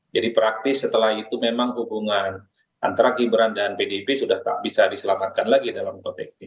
jadi praktis setelah itu memang hubungan antara gibran dan pdip sudah tak bisa diselamatkan lagi dalam topik ini